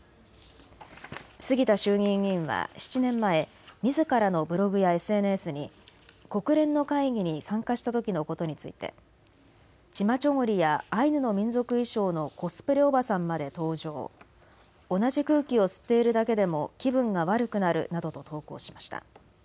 杉田衆議院議員は７年前みずからのブログやＳＮＳに国連の会議に参加したときのことについてチマチョゴリやアイヌの民族衣装のコスプレおばさんまで登場同じ空気を吸っているだけでも気分が悪くなるなどと投稿しました。